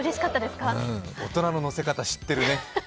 大人の乗せ方、知ってるね。